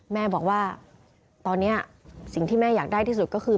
แม่บอกว่าตอนนี้สิ่งที่แม่อยากได้ที่สุดก็คือ